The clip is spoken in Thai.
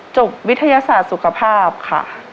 จบวิทยาศาสตร์สุขภาพค่ะ